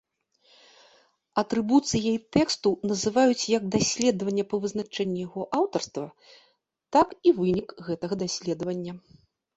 Атрыбуцыяй тэксту называюць як даследаванне па вызначэнні яго аўтарства, так і вынік гэтага даследавання.